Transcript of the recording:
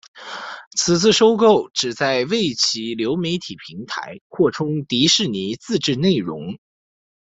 此次收购旨在为其流媒体平台扩充迪士尼自制内容。